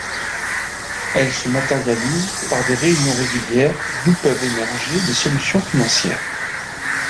Elle se matérialise par des réunions régulières d'où peuvent émerger des solutions financières.